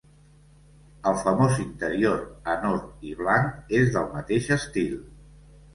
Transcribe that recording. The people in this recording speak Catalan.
El famós interior en or i blanc és del mateix estil.